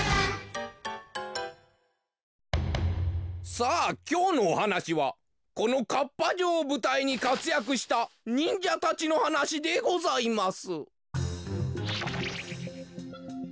さあきょうのおはなしはこのかっぱ城をぶたいにかつやくしたにんじゃたちのはなしでございます。